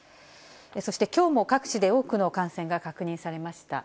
そしてきょうも各地で多くの感染が確認されました。